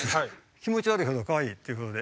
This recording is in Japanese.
気持ち悪いほどかわいいっていうことで。